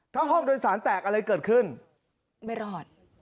ถ้าห้องโดยสารแตกอะไรเกิดขึ้นไม่รอด